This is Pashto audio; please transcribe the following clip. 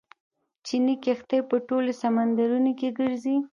چیني کښتۍ په ټولو سمندرونو کې ګرځي.